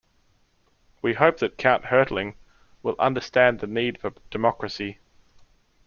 We hope that Count Hertling will understand the need for democracy.